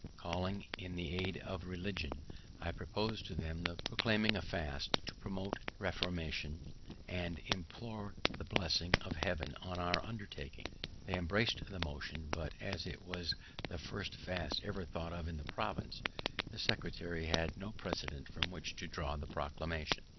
Calling in the aid of religion, I propos'd to them the proclaiming a fast, to promote reformation, and implore the blessing of Heaven on our undertaking. They embrac'd the motion; but, as it was the first fast ever thought of in the province, the secretary had no precedent from which to draw the proclamation.